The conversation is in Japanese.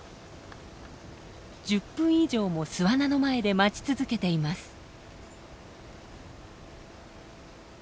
１０分以上も巣穴の前で待ち続けています。